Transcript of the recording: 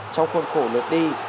trong khuôn khổ lượt đi